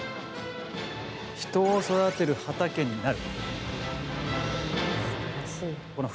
人を育てる畑になる。